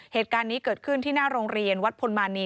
เหตุการณ์นี้เกิดขึ้นที่หน้าโรงเรียนวัดพลมานี